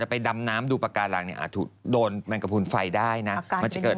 ไม่ต้องเลยไม่ต้องมาทำแก้